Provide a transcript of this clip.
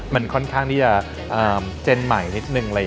มันค่อนข้างที่จะเจนใหม่นิดนึง